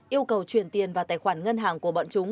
yêu cầu chuyển tiền vào tài khoản ngân hàng của bọn chúng